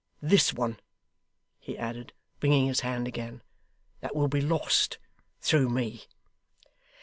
This one,' he added, wringing his hand again, 'that will be lost through me.